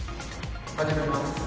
始めます。